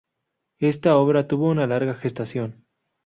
Esta obra tuvo una larga gestación.